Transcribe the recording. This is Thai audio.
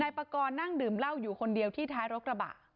ปากรนั่งดื่มเหล้าอยู่คนเดียวที่ท้ายรถกระบะ